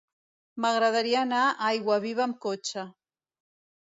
M'agradaria anar a Aiguaviva amb cotxe.